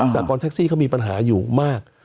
สากรแท็กซี่เขามีปัญหาอยู่มาก